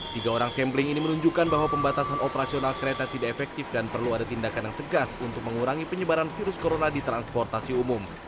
tiga orang sampling ini menunjukkan bahwa pembatasan operasional kereta tidak efektif dan perlu ada tindakan yang tegas untuk mengurangi penyebaran virus corona di transportasi umum